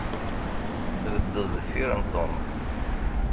Tbeddeḍ deffir n Tom.